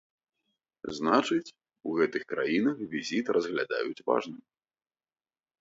Значыць, у гэтых краінах візіт разглядаюць важным.